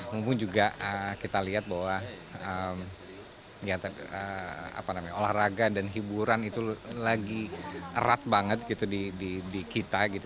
mungkin juga kita lihat bahwa olahraga dan hiburan itu lagi erat banget gitu di kita gitu